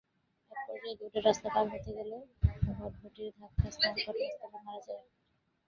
একপর্যায়ে দৌড়ে রাস্তা পার হতে গেলে ভটভটির ধাক্কায় ঘটনাস্থলেই মারা যায়।